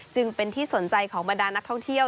จึงเป็นที่สนใจของบรรดานักท่องเที่ยว